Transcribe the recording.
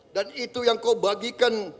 dan itu yang kau bagikan